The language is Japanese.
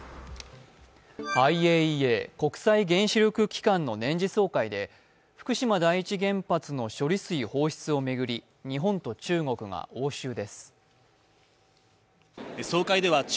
ＩＡＥＡ＝国際原子力機関の年次総会で福島第一原発の処理水放出をめぐり日本と中国が応酬です。